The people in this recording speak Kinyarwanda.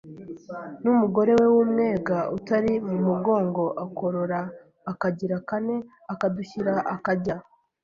N’umugore we w’Umwega Utari mu mugongo akarora akagira kane akadushyira akajya